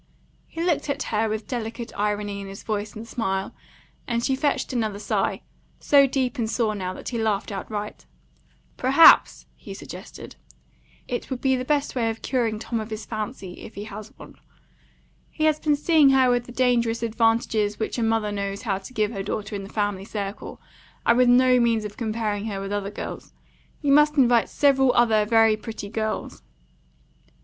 He looked at her with delicate irony in his voice and smile, and she fetched another sigh, so deep and sore now that he laughed outright. "Perhaps," he suggested, "it would be the best way of curing Tom of his fancy, if he has one. He has been seeing her with the dangerous advantages which a mother knows how to give her daughter in the family circle, and with no means of comparing her with other girls. You must invite several other very pretty girls."